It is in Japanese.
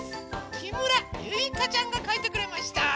きむらゆいかちゃんがかいてくれました。